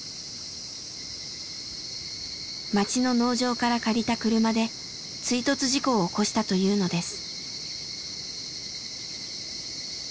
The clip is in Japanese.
町の農場から借りた車で追突事故を起こしたというのです。